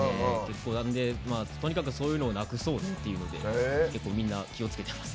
とにかくそういうのをなくそうっていうのでみんな、気をつけてます。